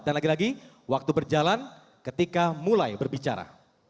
dan lagi lagi waktu berjalan ketika mulai berbicara